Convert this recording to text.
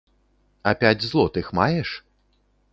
А пяць злотых маеш?